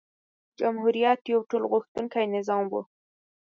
جمهوریت یو ټولغوښتونکی نظام نه و.